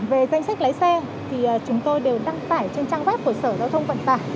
về danh sách lái xe thì chúng tôi đều đăng tải trên trang web của sở giao thông vận tải